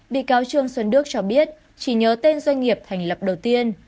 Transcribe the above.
bị cáo trương xuân đức cho biết chỉ nhớ tên doanh nghiệp thành lập đầu tiên